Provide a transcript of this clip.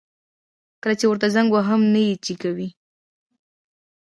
کله چي ورته زنګ وهم نه يي جګوي